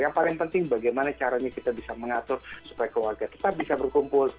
yang paling penting bagaimana caranya kita bisa mengatur supaya keluarga tetap bisa berkumpul